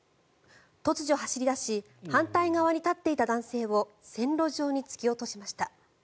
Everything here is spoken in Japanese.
突如走り出し反対側に立っていた男性を線路上に突き落としました。